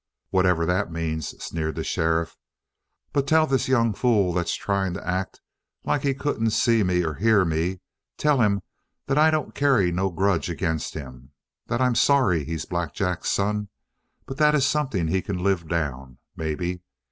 "Whatever that means," sneered the sheriff. "But tell this young fool that's trying to act like he couldn't see me or hear me tell him that I don't carry no grudge ag'in' him, that I'm sorry he's Black Jack's son, but that it's something he can live down, maybe.